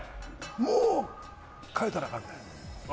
もう変えたらあかんで。